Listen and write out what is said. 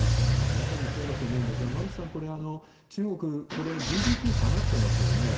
まさにそうだと思うんですが、馬渕さん、中国、これ、ＧＤＰ下がってますよね。